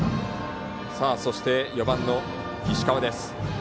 そして４番の石川です。